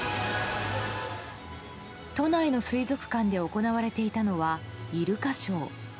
都内の水族館で行われていたのはイルカショー。